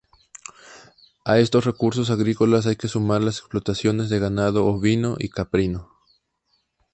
A estos recursos agrícolas hay que sumar las explotaciones de ganado ovino y caprino.